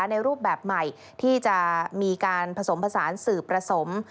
ในรูปแบบใหม่ที่จะมีการผสมผสานสื่อผสม